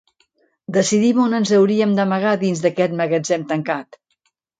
Decidim on ens hauríem d'amagar dins d'aquest magatzem tancat.